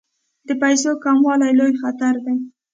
د پیسو کموالی لوی خطر دی.